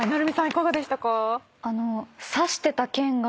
いかがでしたか？